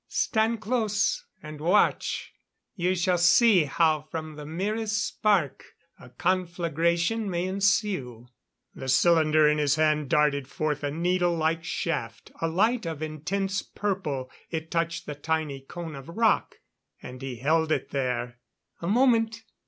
"Stand close, and watch. You shall see how from the merest spark, a conflagration may ensue." The cylinder in his hand darted forth a needle like shaft a light of intense purple. It touched the tiny cone of rock, and he held it there. "A moment.